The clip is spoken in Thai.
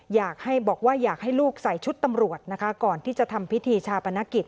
อยากให้บอกว่าอยากให้ลูกใส่ชุดตำรวจนะคะก่อนที่จะทำพิธีชาปนกิจ